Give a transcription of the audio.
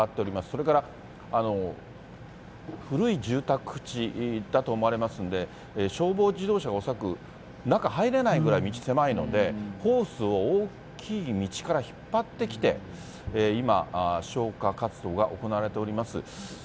それから古い住宅地だと思われますんで、消防自動車が恐らく中入れないぐらい、道狭いので、ホースを大きい道から引っ張ってきて、今、消火活動が行われております。